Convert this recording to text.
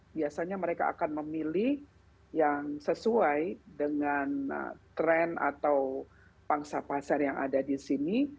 biasanya mereka akan memilih yang sesuai dengan tren atau pangsa pasar yang ada di sini